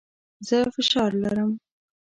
زه فشار لرم.